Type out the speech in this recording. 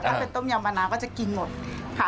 ถ้าเป็นต้มยำมะนาวก็จะกินหมดค่ะ